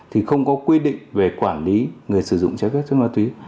thì không có quy định về quản lý người sử dụng trái phép chất ma túy